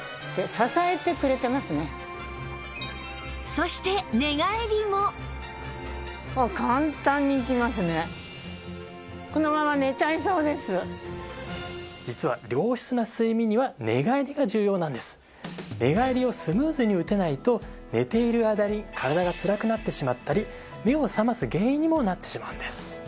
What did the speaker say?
そして実は寝返りをスムーズに打てないと寝ている間に体がつらくなってしまったり目を覚ます原因にもなってしまうんです。